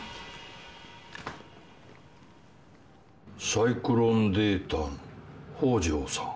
サイクロンデータの北條さん。